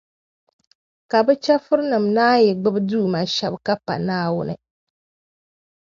Ka bɛ chεfurinima naan yi gbibi duuma shɛba ka pa Naawuni.